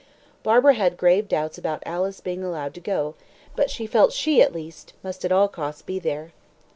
Barbara had grave doubts about Alice being allowed to go, but she felt she, at least, must at all costs be there.